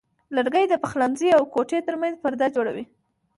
لرګی د پخلنځي او کوټې ترمنځ پرده جوړوي.